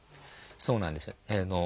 そうなんです。